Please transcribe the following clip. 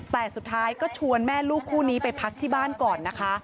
แต่สุดท้ายก็ชวนแม่ลูกคู่นี้ไปพักที่บ้านก่อนนะคะ